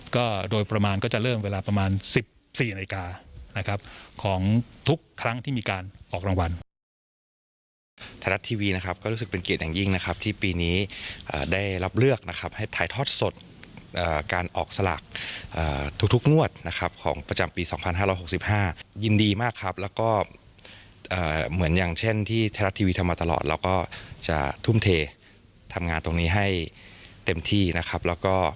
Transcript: ก็โดยประมาณก็จะเริ่มเวลาประมาณ๑๔นาทีกาของทุกครั้งที่มีการออกรางวัล